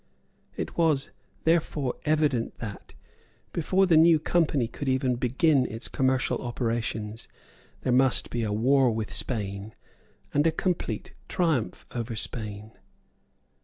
It was, therefore, evident that, before the new Company could even begin its commercial operations, there must be a war with Spain and a complete triumph over Spain.